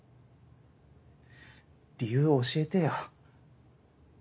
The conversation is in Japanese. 理由を教えてよ。